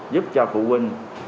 giúp cho phụ huynh